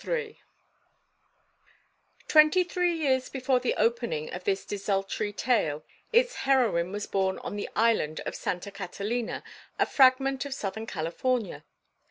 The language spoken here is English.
III Twenty three years before the opening of this desultory tale its heroine was born on the island of Santa Catalina, a fragment of Southern California.